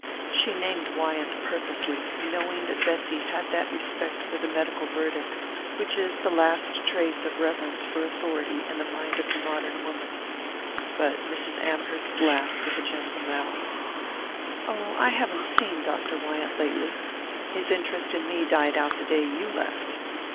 She named Wyant purposely, knowing that Bessy had that respect for the medical verdict which is the last trace of reverence for authority in the mind of the modern woman. But Mrs. Amherst laughed with gentle malice. "Oh, I haven't seen Dr. Wyant lately. His interest in me died out the day you left."